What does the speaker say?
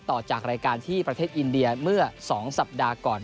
ต่อจากรายการที่ประเทศอินเดียเมื่อ๒สัปดาห์ก่อน